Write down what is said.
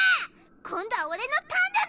今度は俺のターンだぜ。